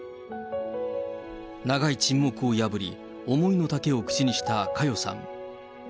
長い沈黙を破り、思いの丈を口にした佳代さん。